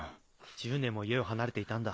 １０年も家を離れていたんだ